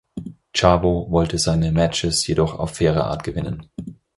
Chavo wollte seine Matches jedoch auf faire Art gewinnen.